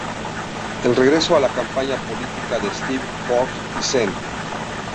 El regresó a la campaña política de Steve Forbes y Sen.